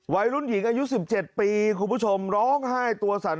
วัยรุ่นหญิงอายุ๑๗ปีคุณผู้ชมร้องไห้ตัวสั่น